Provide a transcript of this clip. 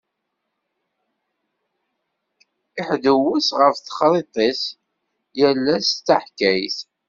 Iḥdewwes ɣef texṛiṭ-is, yal ass d taḥkayt.